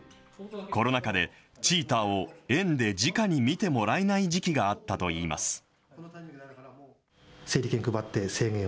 コロナ禍で、チーターを園でじかに見てもらえない時期があったといいます。